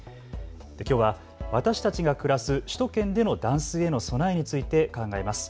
きょうは私たちが暮らす首都圏での断水への備えについて考えます。